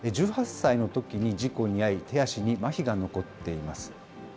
１８歳のときに事故に遭い、手足にまひが残っています。